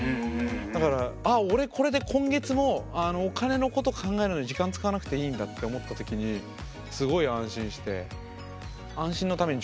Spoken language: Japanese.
だからああ俺これで今月もうお金のこと考えるのに時間使わなくていいんだって思った時にすごい安心して。